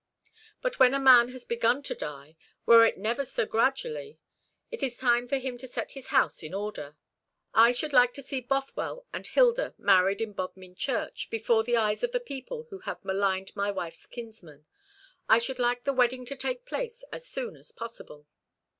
But when a man has begun to die, were it never so gradually, it is time for him to set his house in order. I should like to see Bothwell and Hilda married in Bodmin Church, before the eyes of the people who have maligned my wife's kinsman. I should like the wedding to take place as soon as possible."